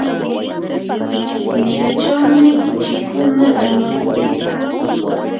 siniqachawmi kuchikuna armakuyan.